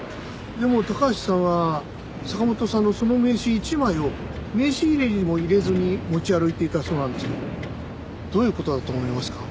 でも高橋さんは坂本さんのその名刺一枚を名刺入れにも入れずに持ち歩いていたそうなんですけどどういう事だと思いますか？